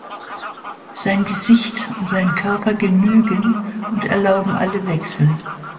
Sein Gesicht und sein Körper genügen und erlauben alle Wechsel.